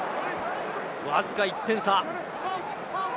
わずか１点差。